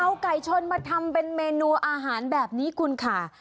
เอาไก่ชนมาทำเป็นเมนูอาหารแบบนี้คุณค่ะ